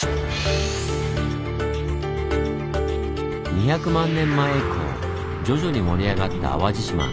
２００万年前以降徐々に盛り上がった淡路島。